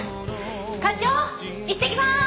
課長いってきます！